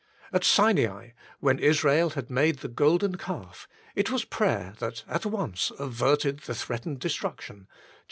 At Sinai, when Israel had made the Golden Calf, it was prayer that at once averted the threat ened destruction, xxxii.